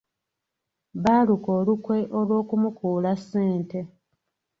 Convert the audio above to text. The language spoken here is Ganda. Baaluka olukwe olw'okumukuula ssente.